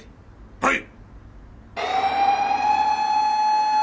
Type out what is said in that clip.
はい！